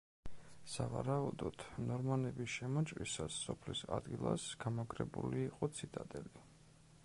სავარაუდოდ, ნორმანების შემოჭრისას სოფლის ადგილას გამაგრებული იყო ციტადელი.